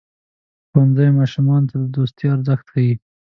ښوونځی ماشومانو ته د دوستۍ ارزښت ښيي.